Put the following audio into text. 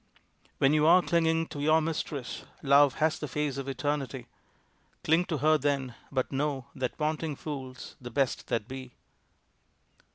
When you are clinging to your mistress, Love has the face of Eternity. Cling to her then, but know that Wanting Fools the best that be.